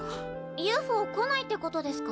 ＵＦＯ来ないってことですか？